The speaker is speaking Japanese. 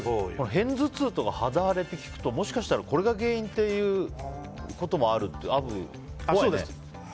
片頭痛とか肌荒れって聞くともしかしたらこれが原因ってこともあると。